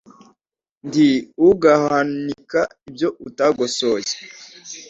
ndi ugahunika ibyo utagosoye